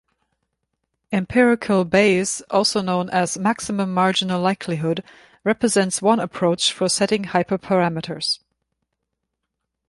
Empirical Bayes, also known as maximum marginal likelihood, represents one approach for setting hyperparameters.